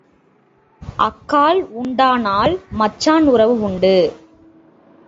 அக்காள் உண்டானால் மச்சான் உறவு உண்டு.